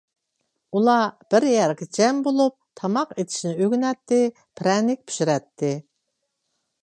ئۇلار بىر يەرگە جەم بولۇپ، تاماق ئېتىشنى ئۆگىنەتتى، پىرەنىك پىشۇراتتى.